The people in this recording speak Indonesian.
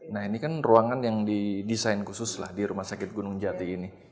nah ini kan ruangan yang didesain khusus lah di rumah sakit gunung jati ini